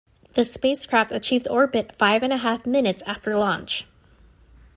The spacecraft achieved orbit five and a half minutes after launch.